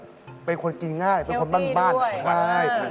มันเป็นคนกินง่ายมันเป็นควายสุขด้านบ้าน